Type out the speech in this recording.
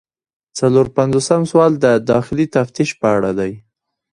څلور پنځوسم سوال د داخلي تفتیش په اړه دی.